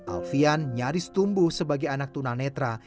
alfian nyaris tumbuh sebagai anak tunanetra